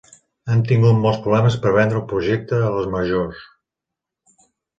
Han tingut molts problemes per vendre el projecte a les majors.